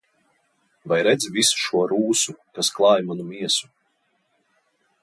Vai redzi visu šo rūsu, kas klāj manu miesu?